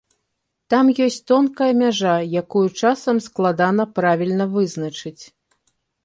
Там ёсць тонкая мяжа, якую часам складана правільна вызначыць.